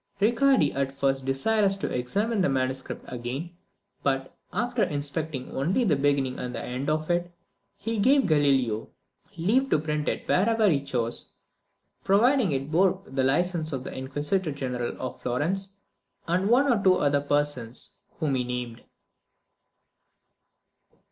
Riccardi was at first desirous to examine the MS. again, but, after inspecting only the beginning and the end of it, he gave Galileo leave to print it wherever he chose, providing it bore the license of the Inquisitor General of Florence, and one or two other persons whom he named.